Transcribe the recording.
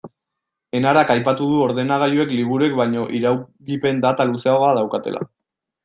Enarak aipatu du ordenagailuek liburuek baino iraungipen data luzeagoa daukatela.